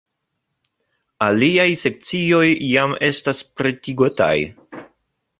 Aliaj sekcioj jam estas pretigotaj.